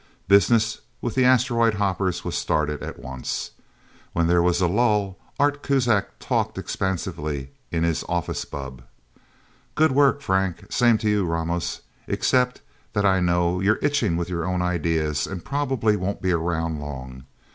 Business with the asteroid hoppers was started at once. When there was a lull, Art Kuzak talked expansively in his office bubb: "Good work, Frank. Same to you, Ramos except that I know you're itching with your own ideas, and probably won't be around long.